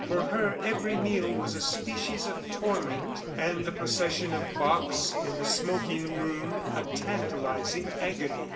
For her every meal was a species of torment, and the procession of bocks in the smoking room a tantalizing agony.